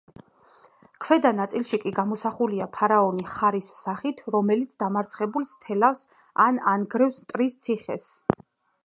ქვედა ნაწილში კი გამოსახულია ფარაონი ხარის სახით, რომელიც დამარცხებულს თელავს და ანგრევს მტრის ციხეს.